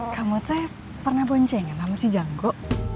kamu tuh pernah boncengin sama si janggo